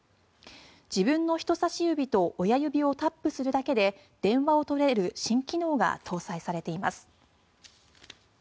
自分の人さし指と親指をタップするだけで電話を取れる新機能が搭載されています。